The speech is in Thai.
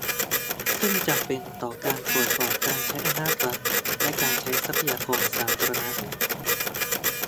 ซึ่งจำเป็นต่อการตรวจสอบการใช้อำนาจรัฐและการใช้ทรัพยากรสาธารณะ